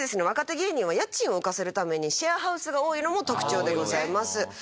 若手芸人は家賃を浮かせるためにシェアハウスが多いのも特徴でございます。